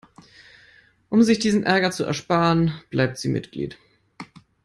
Um sich diesen Ärger zu ersparen, bleibt sie Mitglied.